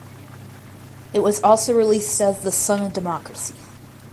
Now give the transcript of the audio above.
It was also released as The Son of Democracy.